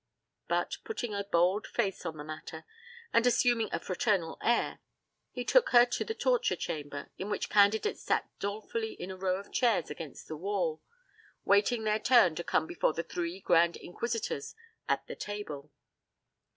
But, putting a bold face on the matter, and assuming a fraternal air, he took her to the torture chamber, in which candidates sat dolefully on a row of chairs against the wall, waiting their turn to come before the three grand inquisitors at the table.